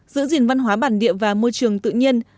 giữ gìn văn hóa bản địa và môi trường tự nhiên